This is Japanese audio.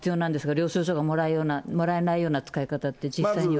領収書がもらえないような使い方って、実際には。